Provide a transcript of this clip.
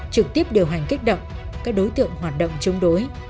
trực tiếp điều hành kích động các đối tượng hoạt động chống đối